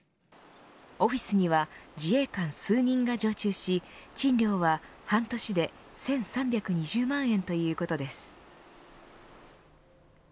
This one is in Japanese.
オフィスには自衛官数人が常駐し賃料は半年で１３２０万円ということです